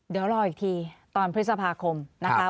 เดี๋ยวรออีกทีตอนพฤษภาคมนะคะ